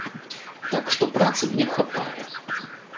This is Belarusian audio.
Так што працы мне хапае.